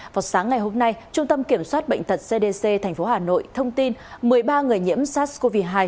vào sáng ngày hôm nay trung tâm kiểm soát bệnh tật cdc tp hà nội thông tin một mươi ba người nhiễm sars cov hai